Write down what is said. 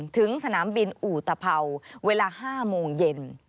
ถึงสนามบินอุตภัวเวลา๕โมงเย็น